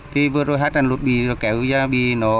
khi vừa rồi hát đàn lút bì kéo ra bì